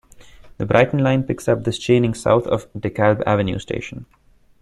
The Brighton Line picks up this chaining south of DeKalb Avenue station.